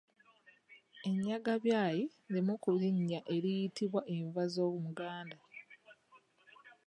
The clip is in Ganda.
Ennyagabyayi limu ku linnya eriyitibwa enva z’omuganda.